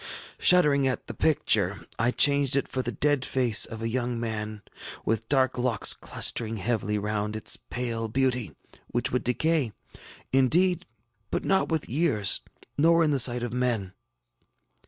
Shuddering at the picture, I changed it for the dead face of a young mail, with dark locks clustering heavily round its pale beauty, which would decay, indeed, but not with years, nor in the sight of men.